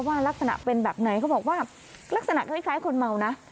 ลักษณะเป็นแบบไหนเขาบอกว่าลักษณะคล้ายคนเมานะ